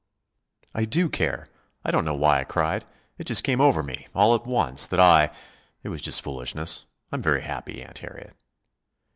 "I do care. I don't know why I cried. It just came over me, all at once, that I It was just foolishness. I am very happy, Aunt Harriet."